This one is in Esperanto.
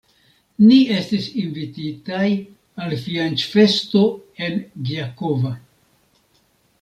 Ni estis invititaj al fianĉfesto en Gjakova.